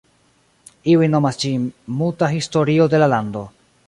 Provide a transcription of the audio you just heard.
Iuj nomas ĝin: ""Muta historio de la lando"".